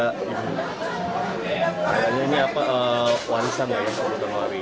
adanya ini apa warisan ya yang diperlukan waris